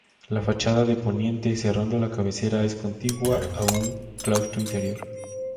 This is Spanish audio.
La fachada de poniente, cerrando la cabecera, es contigua a un claustro interior.